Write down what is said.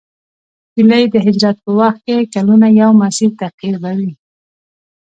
هیلۍ د هجرت په وخت کلونه یو مسیر تعقیبوي